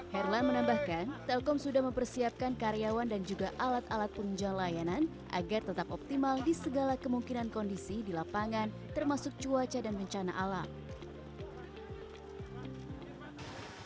herlan menambahkan telkom sudah mempersiapkan karyawan dan juga alat alat penunjang layanan agar tetap optimal di segala kemungkinan kondisi di lapangan termasuk cuaca dan bencana alam